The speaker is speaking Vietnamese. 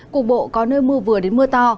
cục bộ có nơi mưa vừa đến mưa to